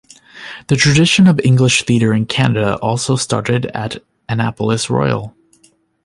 The tradition of English theatre in Canada also started at Annapolis Royal.